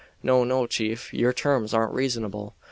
No, no, chief; your terms aren't reasonable.